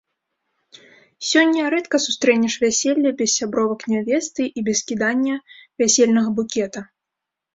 Сёння рэдка сустрэнеш вяселле без сябровак нявесты і без кідання вясельнага букета.